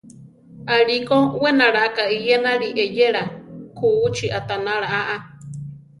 Aʼlí ko we naláka eyénali eyéla, kúchi aʼtanala aa.